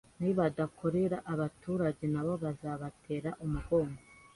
nibadakorera abaturage nabo bazabatera umugongo